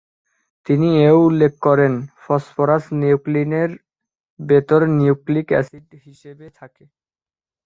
তিনি এও উল্লেখ করেন ফসফরাস নিউক্লিনের ভিতর নিউক্লিক এসিড হিসেবে থাকে।